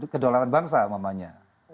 kedolakan bangsa maksudnya